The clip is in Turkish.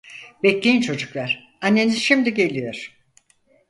Bekleyin çocuklar, anneniz şimdi geliyor.